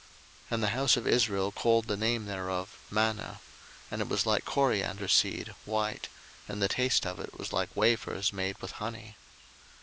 02:016:031 And the house of Israel called the name thereof Manna: and it was like coriander seed, white; and the taste of it was like wafers made with honey.